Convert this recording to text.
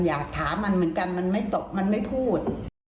อยากถามมันเหมือนกันมันไม่ตกมันไม่พูด